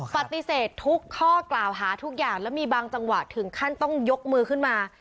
ปฏิเสธทุกข้อกล่าวหาทุกอย่างแล้วมีบางจังหวะถึงขั้นต้องยกมือขึ้นมา